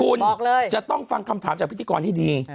คุณจะต้องฟังคำถามจากพิธีกรให้ดี